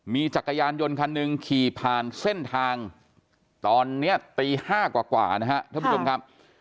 มีจักรยานยนต์คันหนึ่งขี่ผ่านเส้นทางตอนนี้ตี๕กว่านะครับท่านผู้ชมครับ